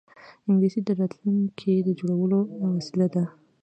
انګلیسي د راتلونکې د جوړولو وسیله ده